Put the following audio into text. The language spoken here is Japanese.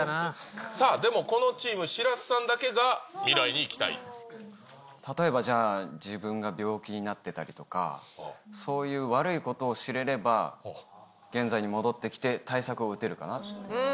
さあでもこのチーム、例えばじゃあ、自分が病気になってたりとか、そういう悪いことを知れれば、現在に戻ってきて、対策を打てるかなと思って。